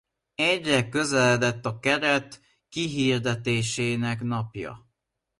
Egyre közeledett a keret kihirdetésének napja.